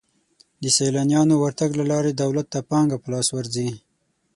د سیلانیانو ورتګ له لارې دولت ته پانګه په لاس ورځي.